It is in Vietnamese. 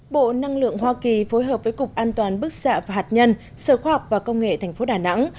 bộ năng lượng hoa kỳ phối hợp với cục an toàn bức xạ và hạt nhân sở khoa học và công nghệ tp đà nẵng